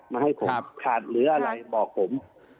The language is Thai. มาให้ผมขาดหรืออะไรบอกผม